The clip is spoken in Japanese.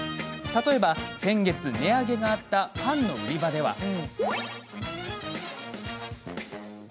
例えば、先月値上げがあったパンの売り場では。